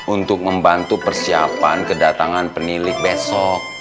untuk membantu persiapan kedatangan penilik besok